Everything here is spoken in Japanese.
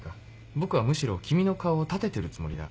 僕はむしろ君の顔を立ててるつもりだ。